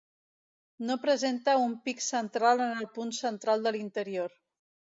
No presenta un pic central en el punt central de l'interior.